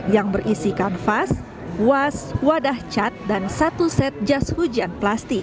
yang berisi kanvas was wadah cat dan satu set jas hujan plastik